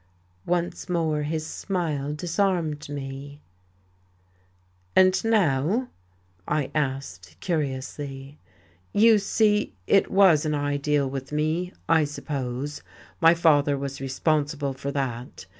Once more his smile disarmed me. "And now" I asked curiously. "You see, it was an ideal with me, I suppose. My father was responsible for that.